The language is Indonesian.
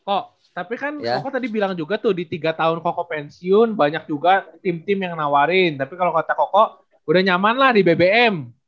oh tapi kan koko tadi bilang juga tuh di tiga tahun koko pensiun banyak juga tim tim yang nawarin tapi kalau kota koko udah nyaman lah di bbm